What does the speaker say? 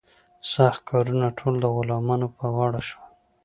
سخت کارونه ټول د غلامانو په غاړه شول.